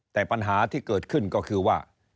แต่ปัญหาที่เกิดขึ้นก็คือว่า